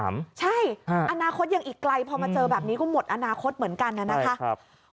ใช่อนาคตยังอีกไกลพอมาเจอแบบนี้ก็หมดอนาคตเหมือนกันนะครับ